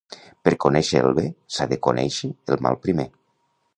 Per conèixer el bé s'ha de conèixer el mal primer.